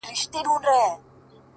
د شپې مي دومره وي ژړلي گراني!!